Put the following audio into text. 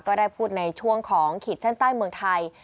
ก็ได้พูดในช่วงของขีดเส้นใต้เมืองไทย